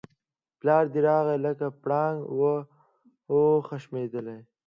پلار دی راغی لکه پړانګ وو خښمېدلی